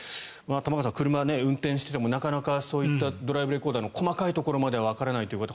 玉川さん車を運転していてもなかなかそういったドライブレコーダーの細かいところまではわからないという方